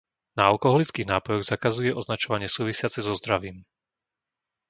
Na alkoholických nápojoch zakazuje označovanie súvisiace so zdravím.